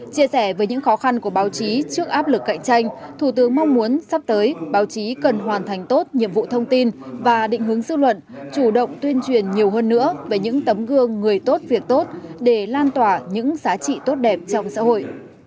chia sẻ với những khó khăn của báo chí trước áp lực cạnh tranh thủ tướng mong muốn sắp tới báo chí cần hoàn thành tốt nhiệm vụ thông tin và định hướng dư luận chủ động tuyên truyền nhiều hơn nữa về những tấm gương người tốt việc tốt để lan tỏa những giá trị tốt đẹp trong xã hội